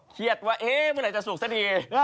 เครียดว่ามันไหลจะสกซะดี